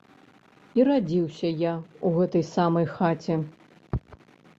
І радзіўся я ў гэтай самай хаце.